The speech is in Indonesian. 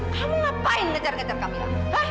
kamu ngapain ngejar ngejar kamila